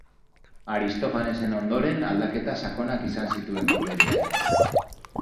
Aristofanesen ondoren, aldaketa sakonak izan zituen komediak.